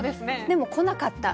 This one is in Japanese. でも来なかった。